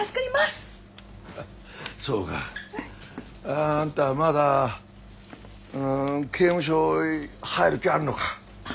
あんたまだ刑務所入る気あるのか？